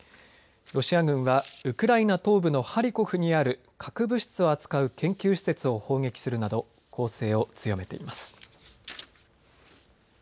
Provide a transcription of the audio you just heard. ロシア軍は、ウクライナ東部のハリコフにある核物質を扱う研究施設を砲撃するなど攻勢を強めています。